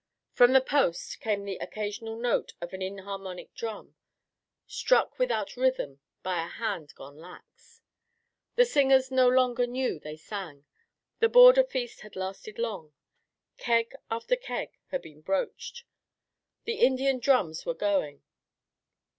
From the post came the occasional note of an inharmonic drum, struck without rhythm by a hand gone lax. The singers no longer knew they sang. The border feast had lasted long. Keg after keg had been broached. The Indian drums were going.